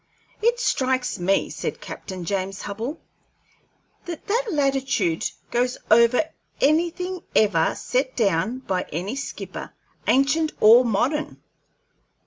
"It strikes me," said Captain James Hubbell, "that that latitude goes over anything ever set down by any skipper, ancient or modern."